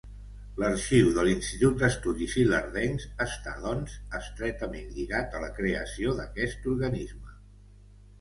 L'Arxiu de l'Institut d'Estudis Ilerdencs està doncs, estretament lligat a la creació d'aquest organisme.